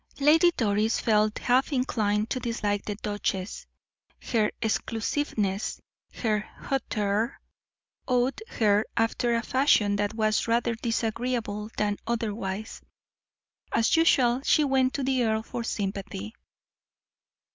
Lady Doris felt half inclined to dislike the duchess; her exclusiveness, her hauteur, awed her after a fashion that was rather disagreeable than otherwise. As usual, she went to the earl for sympathy.